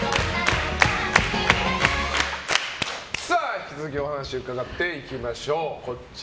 引き続きお話を伺っていきましょう。